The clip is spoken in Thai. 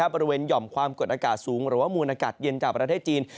หย่อมความกดอากาศสูงหรือว่ามูลอากาศเย็นจากประเทศจีน